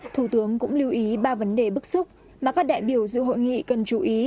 thủ tướng cũng lưu ý ba vấn đề bức xúc mà các đại biểu dự hội nghị cần chú ý